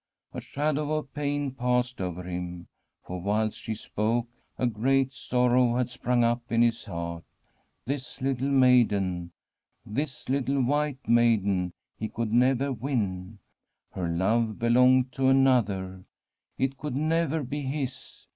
A shadow of pain passed over him. For whilst she spoke a ^eat sorrow had sprung up in his heart. This little maiden, this little white maiden, he could never win. Her love belonged to another ; it could never be his.